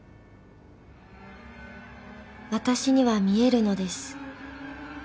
［私には見えるのです］